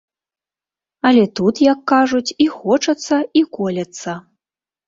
Але тут, як кажуць, і хочацца, і колецца.